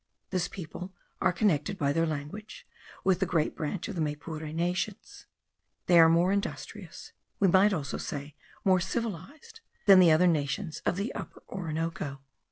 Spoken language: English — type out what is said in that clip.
This people are connected by their language with the great branch of the Maypure nations. They are more industrious, we might also say more civilized, than the other nations of the Upper Orinoco.